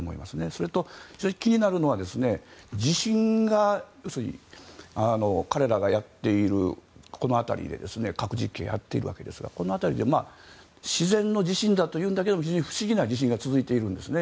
それと、気になるのは地震が彼らがやっているこの辺りで核実験をやっているわけですがこの辺りで自然の地震だというんだけども非常に不思議な地震が続いているんですね。